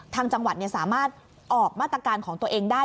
ทางจังหวัดสามารถออกมาตรการของตัวเองได้